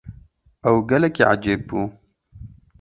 Ew gelekî ecêb bû.